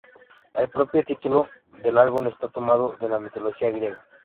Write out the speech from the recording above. El propio título del álbum está tomado de la mitología griega.